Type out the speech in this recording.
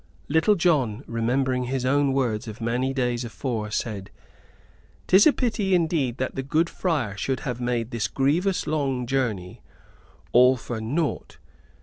Little John, remembering his own words of many days afore, said: "'Tis a pity indeed that the good friar should have made this grievous long journey all for naught!